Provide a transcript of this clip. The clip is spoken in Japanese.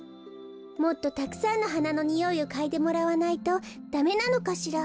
もっとたくさんのはなのにおいをかいでもらわないとダメなのかしら。